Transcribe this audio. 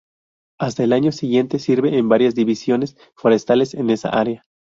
Hasta el año siguiente sirve en varias Divisiones forestales en esa área.